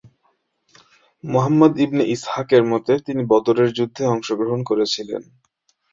মুহাম্মাদ ইবনে ইসহাকের মতে, তিনি বদরের যুদ্ধে অংশগ্রহণ করেছিলেন।